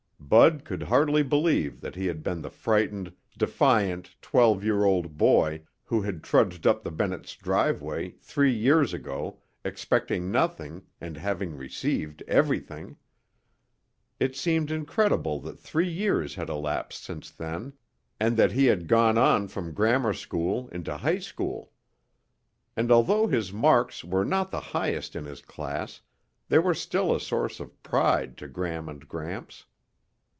Bud could hardly believe that he had been the frightened, defiant twelve year old boy who had trudged up the Bennetts' driveway three years ago expecting nothing and having received everything. It seemed incredible that three years had elapsed since then and that he had gone on from grammar school into high school. And although his marks were not the highest in his class, they were still a source of pride to Gram and Gramps.